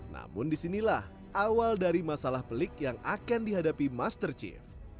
namun disinilah awal dari masalah pelik yang akan dihadapi master chief